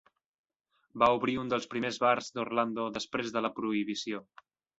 Va obrir un dels primers bars d'Orlando després de la Prohibició.